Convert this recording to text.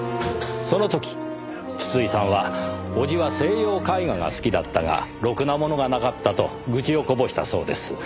その時筒井さんは伯父は西洋絵画が好きだったがろくなものがなかったと愚痴をこぼしたそうです。